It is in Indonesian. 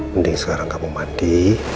mending sekarang kamu mandi